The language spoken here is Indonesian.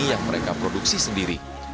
yang mereka produksi sendiri